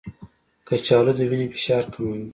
کچالو د وینې فشار کموي.